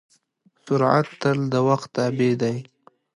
سرعت تل د وخت تابع دی.